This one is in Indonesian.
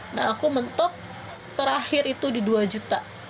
nah aku mentok terakhir itu di dua juta